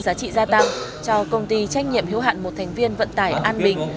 giá trị gia tăng cho công ty trách nhiệm hiếu hạn một thành viên vận tải an bình